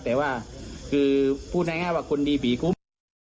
แต่ว่าคือพูดง่ายว่าคนดีผีคุ้ม